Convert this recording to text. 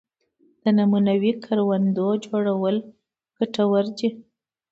د نمونوي کروندو جوړول ګټور دي